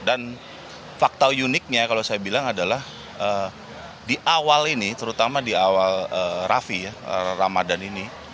dan fakta uniknya kalau saya bilang adalah di awal ini terutama di awal rafi ya ramadan ini